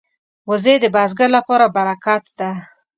وزې د بزګر لپاره برکت ده